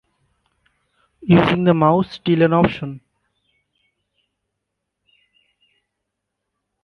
Using the mouse is still an option.